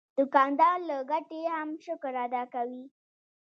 دوکاندار له ګټې هم شکر ادا کوي.